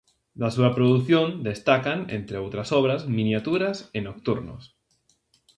Da súa produción destacan, entre outras obras, "Miniaturas" e "Nocturnos".